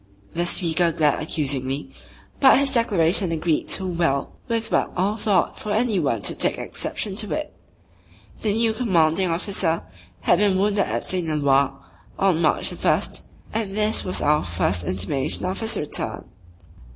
The speaker glared accusingly; but his declaration agreed too well with what all thought for any one to take exception to it. The new Commanding Officer had been wounded at St. Eloi on March 1st and this was our first intimation of his return.